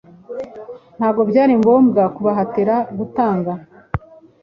Ntabwo byari ngombwa kubahatira gutanga